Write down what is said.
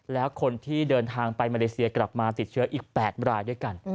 แล้วคนที่เดินทางไปมาเลเซียกลับมาติดเชื้ออีก๘รายด้วยกัน